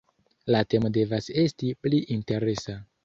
La temo devas esti pli interesa.